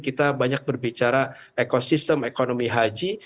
kita banyak berbicara ekosistem ekonomi haji